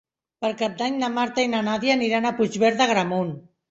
Per Cap d'Any na Marta i na Nàdia aniran a Puigverd d'Agramunt.